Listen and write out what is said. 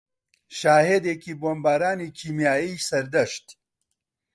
شاهێدێکی بۆمبارانی کیمیایی سەردەشت